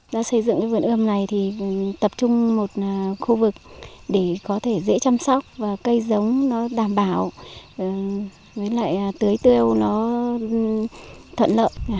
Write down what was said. đã xây dựng cái vườn ươm này thì tập trung một khu vực để có thể dễ chăm sóc và cây giống nó đảm bảo với lại tưới tiêu nó thuận lợi